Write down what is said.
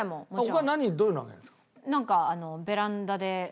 他に何どういうの上げるんですか？